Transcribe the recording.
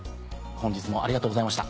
本日もありがとうございました。